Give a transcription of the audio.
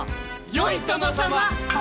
よい殿様！